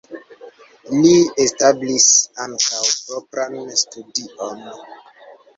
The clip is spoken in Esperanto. Li establis ankaŭ propran studion.